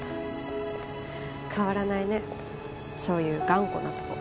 変わらないねそういう頑固なとこ。